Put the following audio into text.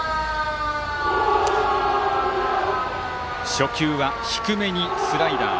初球は低めにスライダー。